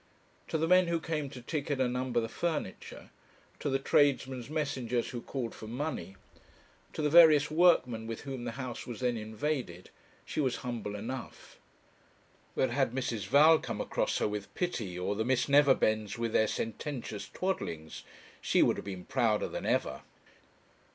To the men who came to ticket and number the furniture, to the tradesmen's messengers who called for money, to the various workmen with whom the house was then invaded, she was humble enough; but had Mrs. Val come across her with pity, or the Miss Neverbends with their sententious twaddlings, she would have been prouder than ever.